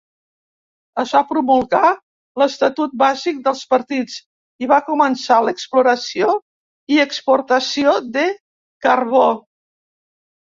Es va promulgar l'estatut bàsic dels partits i va començar l'exploració i exportació de carbó.